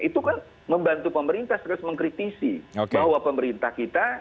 itu kan membantu pemerintah sekaligus mengkritisi bahwa pemerintah kita